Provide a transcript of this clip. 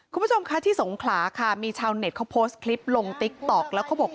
คุณผู้ชมคะที่สงขลาค่ะมีชาวเน็ตเขาโพสต์คลิปลงติ๊กต๊อกแล้วเขาบอก